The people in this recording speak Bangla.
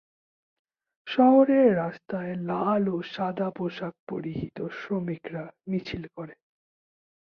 শহরের রাস্তায় লাল ও সাদা পোশাক পরিহিত শ্রমিকরা মিছিল করে।